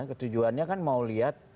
ketujuannya kan mau lihat